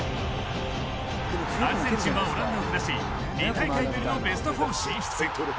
アルゼンチンはオランダを下し２大会ぶりのベスト４進出。